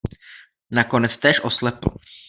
Nakonec též oslepl.